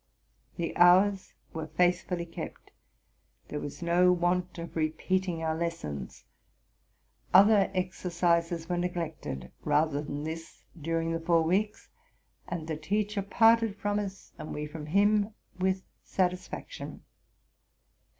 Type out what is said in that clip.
The hours were faithfully kept; there was no want of repeating our lessons; other exercises were neglected rather than this during the four weeks ; and the teacher parted from us, and we from him, with satisfaction.